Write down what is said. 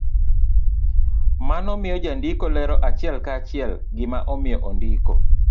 Mano miyo jandiko lero achiel ka chiel gima omiyo ondiko